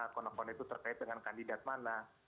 akun akun itu terkait dengan kandidat mana